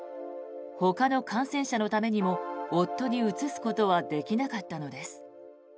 ほかの感染者のためにも夫にうつすことはできなかったのです。